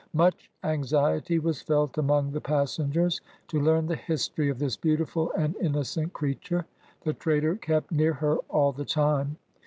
Much anxiety was felt among the passengers to learn the history of this beautiful and innocent creature. The trader kept near her all the time.